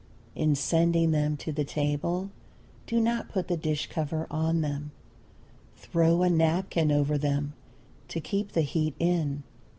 In sending them to the table do not put the dish cover on them. Throw a napkin over them to keep the heat in.